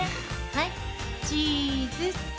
はいチーズ。